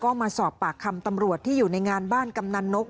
ก็มาสอบปากคำตำรวจที่อยู่ในงานบ้านกำนันนก